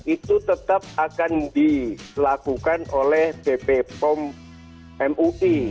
itu tetap akan dilakukan oleh bpom mui